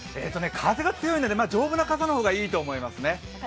風が強いので丈夫な傘の方がいいと思いますね。